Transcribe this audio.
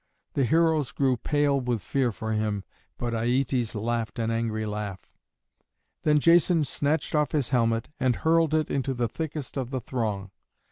The heroes grew pale with fear for him, but Aietes laughed an angry laugh. Then Jason snatched off his helmet and hurled it into the thickest of the throng.